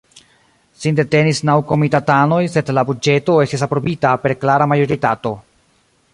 Sin detenis naŭ komitatanoj, sed la buĝeto estis aprobita per klara majoritato.